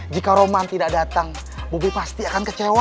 jika roman tidak datang bobi pasti akan kecewa